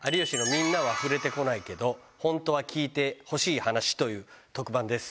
みんなは触れてこないけどホントは聞いてほしい話という特番です。